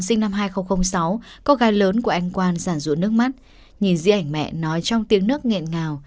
sinh năm hai nghìn sáu có gái lớn của anh quang giản rũ nước mắt nhìn di ảnh mẹ nói trong tiếng nước nghẹn ngào